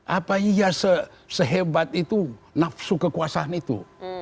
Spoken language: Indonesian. apa iya sehebat itu nafsu kekuasaan itu